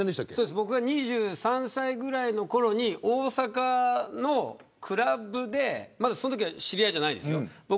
僕が２３歳ぐらいのころに大阪のクラブでまだ、そのときは知り合いじゃないですよ